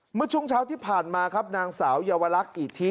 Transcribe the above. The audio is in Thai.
เมื่อช่วงเช้าที่ผ่านมาครับนางสาวเยาวลักษณ์อิทธิ